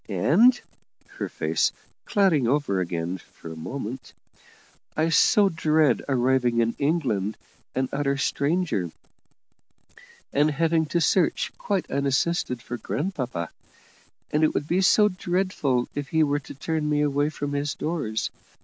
And," her face clouding over again for a moment "I so dread arriving in England an utter stranger, and having to search, quite unassisted, for grandpapa; and it would be so dreadful if he were to turn me away from his doors.